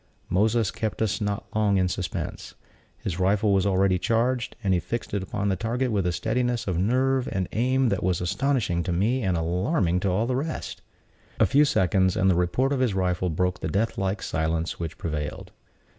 Moses kept us not long in suspense. His rifle was already charged, and he fixed it upon the target with a steadiness of nerve and aim that was astonishing to me and alarming to all the rest. A few seconds, and the report of his rifle broke the deathlike silence which prevailed.